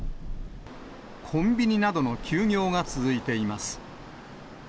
コンビニなどの休業が続いています。